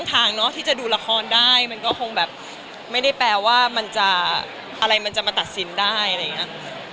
ทางเนาะที่จะดูละครได้มันก็คงแบบไม่ได้แปลว่ามันจะอะไรมันจะมาตัดสินได้อะไรอย่างนี้